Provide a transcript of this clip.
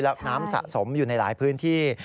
และน้ำสะสมอยู่ในหลายพื้นที่